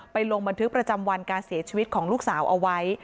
ลงบันทึกประจำวันการเสียชีวิตของลูกสาวเอาไว้